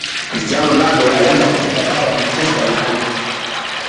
cristiano ronaldo alianza kufunga bao la manchester unite